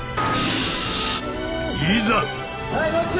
いざ！